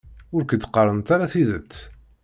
Ur k-d-qqarent ara tidet.